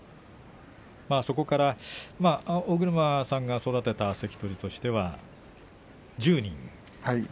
そこから尾車さんが育てた関取としては１０人。